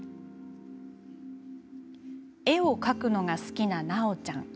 絵を描くのが好きななおちゃん。